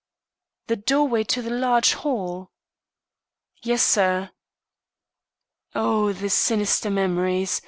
"The doorway to the large hall?" "Yes, sir." Oh, the sinister memories!